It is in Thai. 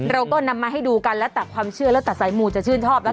เราก็นำมาให้ดูกันแล้วแต่ความเชื่อแล้วแต่สายมูจะชื่นชอบแล้วกัน